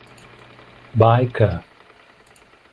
By ca.